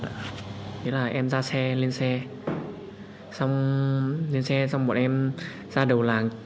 nghĩa là em ra xe lên xe xong lên xe xong bọn em ra đầu làng